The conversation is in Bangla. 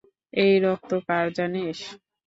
এই রক্ত কার জানিস?